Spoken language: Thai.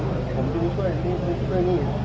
ผมก็จะช่วยช่วยช่วยนี่ช่วยนี่